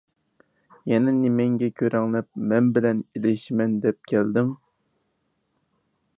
يەنە نېمەڭگە كۆرەڭلەپ مەن بىلەن ئېلىشىمەن دەپ كەلدىڭ؟